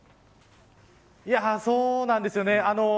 そうなんですよね。